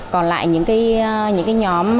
còn lại những cái nhóm